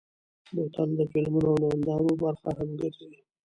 بوتل د فلمونو او نندارو برخه هم ګرځي.